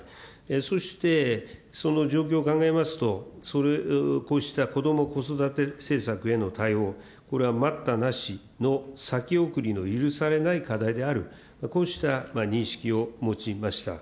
そして、その状況を考えますと、こども・子育て政策への対応、これは待ったなしの先送りの許されない課題である、こうした認識を持ちました。